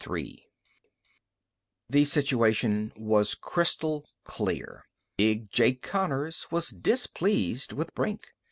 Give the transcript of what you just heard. The situation was crystal clear. Big Jake Connors was displeased with Brink.